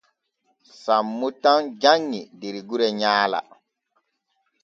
Sammo tan janŋi der gure nyaala.